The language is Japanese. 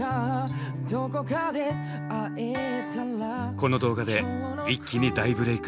この動画で一気に大ブレーク。